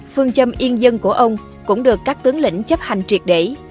phương châm yên dân của ông cũng được các tướng lĩnh chấp hành triệt để